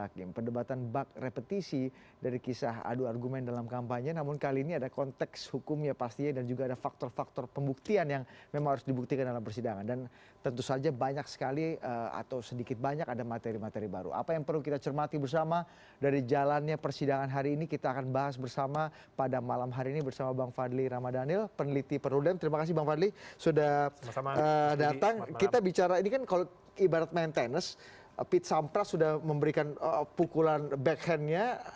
kita bicara ini kan kalau ibarat main tenis pete sampras sudah memberikan pukulan backhandnya